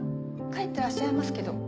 帰ってらっしゃいますけど。